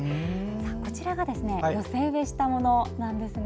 こちらが寄せ植えしたものなんです。